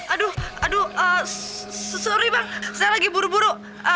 aduh aduh sorry bang saya lagi buru buru